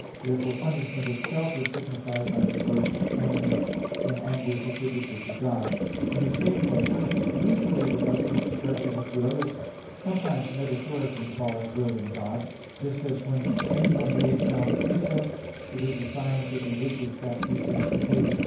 Therefore punishment itself is signified by the word anger, when anger is attributed to God. In the same way, what is usually with us an expression of will, is sometimes metaphorically called will in God; just as when anyone lays down a precept, it is a sign that he wishes that precept obeyed.